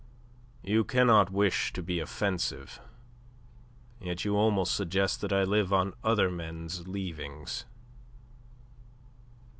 "You cannot wish to be offensive. Yet you almost suggest that I live on other men's leavings."